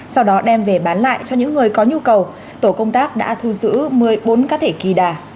sau đó đem về bán lại cho những người có nhu cầu tổ công tác đã thu giữ một mươi bốn cá thể kỳ đà